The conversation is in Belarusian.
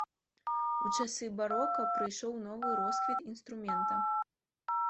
У часы барока прыйшоў новы росквіт інструмента.